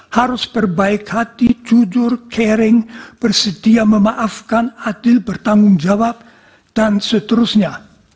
harus berbaik hati jujur caring bersedia memaafkan adil bertanggung jawab dan seterusnya